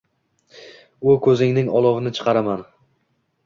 U koʻzingning olovini chiqaraman!